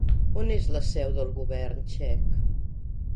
On és la seu del govern txec?